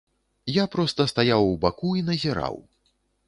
Я проста стаяў у баку і назіраў.